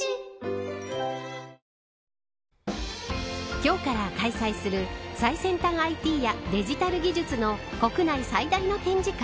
今日から開催する最先端ＩＴやデジタル技術の国内最大の展示会